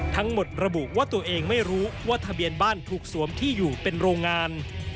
ระบุว่าตัวเองไม่รู้ว่าทะเบียนบ้านถูกสวมที่อยู่เป็นโรงงาน